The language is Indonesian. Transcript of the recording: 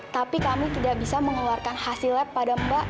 tapi kami tidak bisa mengeluarkan hasil lab pada mbak